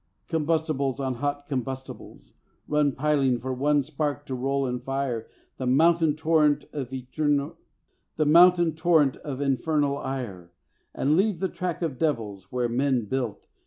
Combustibles on hot combustibles Run piling, for one spark to roll in fire The mountain torrent of infernal ire And leave the track of devils where men built.